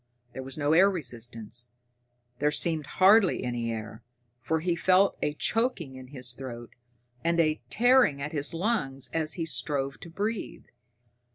There was no air resistance there seemed hardly any air, for he felt a choking in his throat, and a tearing at his lungs as he strove to breathe.